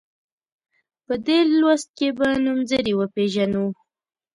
په دې لوست کې به نومځري وپيژنو.